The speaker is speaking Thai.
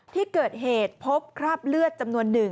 ที่เกิดเหตุพบคราบเลือดจำนวนหนึ่ง